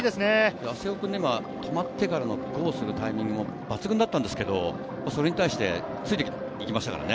八瀬尾君、今、止まってからのフォローするタイミングも抜群だったんですけど、それに対してついていきましたからね。